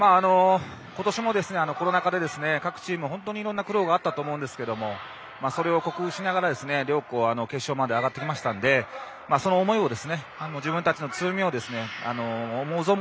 ことしも、コロナ禍で各チーム本当にいろんな苦労があったと思うんですけどそれを克服しながら両校決勝まで上がってきましたのでその思いを自分たちの強みを思う